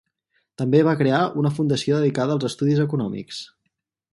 També va crear una Fundació dedicada als estudis econòmics.